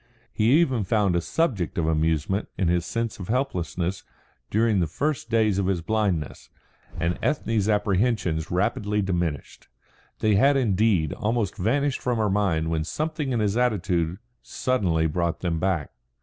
He even found a subject of amusement in his sense of helplessness during the first days of his blindness; and Ethne's apprehensions rapidly diminished. They had indeed almost vanished from her mind when something in his attitude suddenly brought them back.